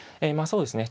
そうですね